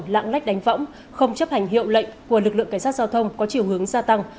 lạng lách đánh võng không chấp hành hiệu lệnh của lực lượng cảnh sát giao thông có chiều hướng gia tăng